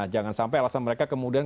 jangan sampai alasan mereka kemudian